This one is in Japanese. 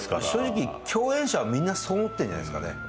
正直、共演者はみんなそう思ってるんじゃないですかね。